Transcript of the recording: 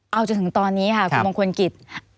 เอาจนถึงตอนนี้ค่ะคุณมงคลกิจ